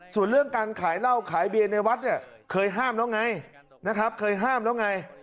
ส่วนเรื่องการขายเหล้าขายเบียนในวัดเนี่ยเคยห้ามแล้วไงนะครับเคยห้ามแล้วไง